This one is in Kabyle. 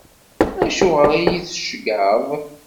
Acuɣer i yi-tceggɛeḍ?